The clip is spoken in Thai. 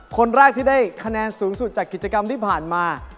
คนแรกที่ได้คะแนนสูงสุดจากกิจกรรมที่ผ่านมา